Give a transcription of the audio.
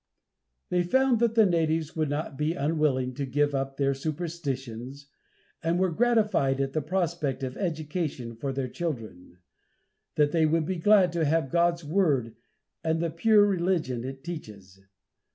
They found that the natives would not be unwilling to give up their superstitions, and were gratified at the prospect of education for their children; that they would be glad to have God's word, and the pure religion it teaches.